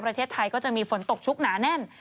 ประเทศไทยก็จะมีฝนตกชุกหนาแน่น